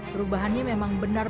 perubahannya memang benar